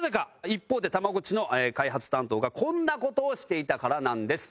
一方でたまごっちの開発担当がこんな事をしていたからなんです。